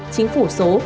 chính phủ số